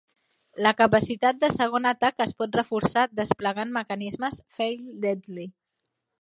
La capacitat de segon atac es pot reforçar desplegant mecanismes "fail-deadly".